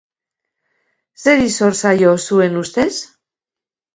Zeri zor zaio, zuen ustez?